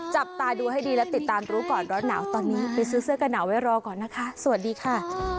จับตาดูให้ดีและติดตามรู้ก่อนร้อนหนาวตอนนี้ไปซื้อเสื้อกระหนาวไว้รอก่อนนะคะสวัสดีค่ะ